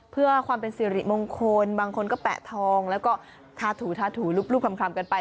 เพื่อความเป็นสิริมงคลบางคนก็แปะทองแล้วก็ทาถูทาถูรูปคลำกันไป